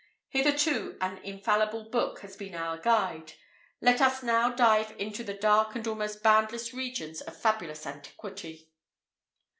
[IV 18] Hitherto an infallible book has been our guide; let us now dive into the dark and almost boundless regions of fabulous antiquity.